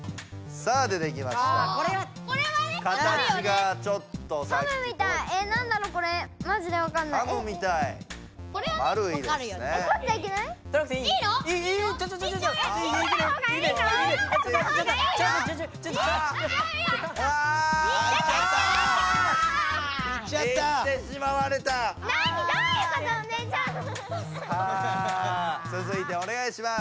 さあ続いておねがいします。